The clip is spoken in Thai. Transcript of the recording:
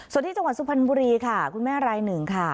ส่วนที่จังหวัดสุพรรณบุรีค่ะคุณแม่รายหนึ่งค่ะ